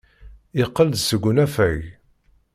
Yeqqel-d seg unafag.